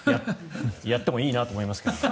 やってもいいなと思いますが。